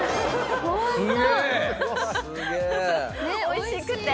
おいしくて。